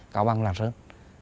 cao băng lạc sơn